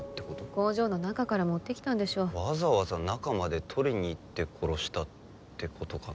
工場の中から持ってきたんでしょわざわざ中まで取りに行って殺したってことかな？